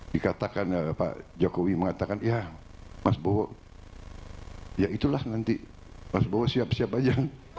dikatakan pak jokowi mengatakan ya mas bowo ya itulah nanti mas bowo siap siap aja